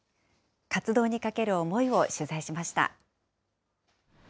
活動にかける思いを取材しました。